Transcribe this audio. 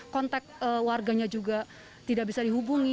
kontak warganya juga tidak bisa dihubungi